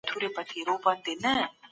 منصفانه قضاوت تر ړندې مینې ډېر ارزښت لري.